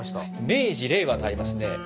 「明治−令和」とありますね。